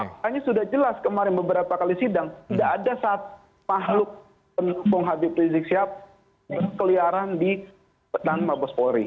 dan fakta nya sudah jelas kemarin beberapa kali sidang tidak ada satu makhluk penuh penghubung habib rizik siap berkeliaran di rutan wabes polri